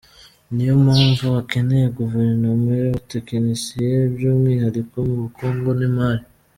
Niyo mpamvu akeneye Guverinoma y’abatekinisiye, by’umwihariko mu bukungu n’imari.